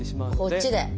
こっちで。